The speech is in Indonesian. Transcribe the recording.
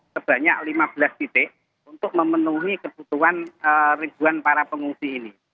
sebanyak lima belas titik untuk memenuhi kebutuhan ribuan para pengungsi ini